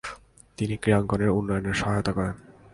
তিনি ক্রীড়াঙ্গনের উন্নয়নে সহায়তা করেন।